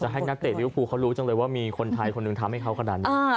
ให้นักเตะลิวภูเขารู้จังเลยว่ามีคนไทยคนหนึ่งทำให้เขาขนาดนี้